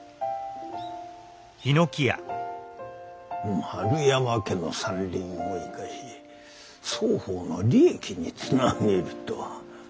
丸山家の山林を生かし双方の利益につなげるとは。